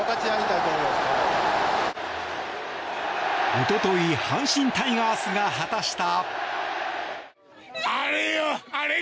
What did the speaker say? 一昨日阪神タイガースが果たした。